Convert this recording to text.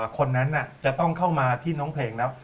คนนั้นจะต้องเข้ามาที่น้องเพลงแล้ว